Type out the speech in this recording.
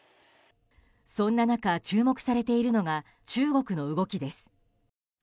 そんな中、注目されているのが中国の動きです。